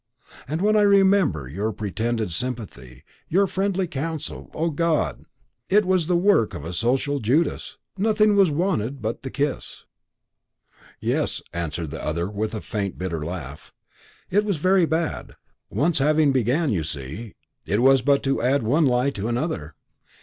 And when I remember your pretended sympathy, your friendly counsel O God! it was the work of a social Judas; nothing was wanted but the kiss." "Yes," the other answered with a faint bitter laugh; "it was very bad. Once having begun, you see, it was but to add one lie to another.